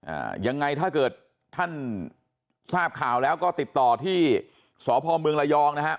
อ่ายังไงถ้าเกิดท่านทราบข่าวแล้วก็ติดต่อที่สพเมืองระยองนะฮะ